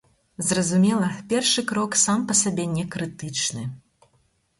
Зразумела, першы крок сам па сабе некрытычны.